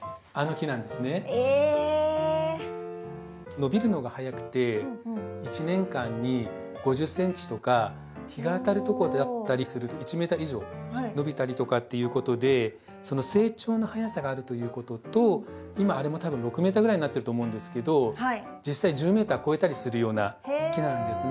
伸びるのがはやくて１年間に５０ｃｍとか日が当たるとこだったりすると１ｍ以上伸びたりとかっていうことでその成長のはやさがあるということと今あれも多分６ｍぐらいになってると思うんですけど実際１０ｍ超えたりするような木なんですね。